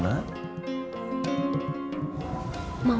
mau ke depan